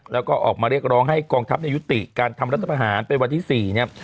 แล้วก็ออกมาเรียกร้องให้กองทัพในยุติการทำรัฐประหารเป็นวันที่๔เนี่ย